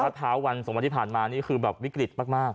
พร้าว๔๑ที่ผ่านมานี่คือแบบวิกฤตมาก